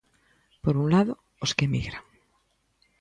Por un lado, os que emigran.